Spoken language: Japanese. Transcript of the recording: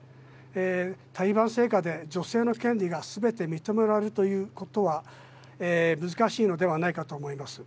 タリバン政下で女性の権利が全て認められるということは難しいのではないかと思います。